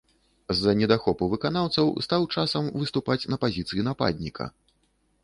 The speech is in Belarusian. З-за недахопу выканаўцаў стаў часам выступаць на пазіцыі нападніка.